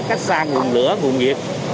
cách xa nguồn lửa nguồn nhiệt